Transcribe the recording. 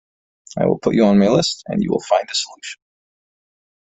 I will put you on my list and you will find a solution.